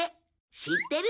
知ってる？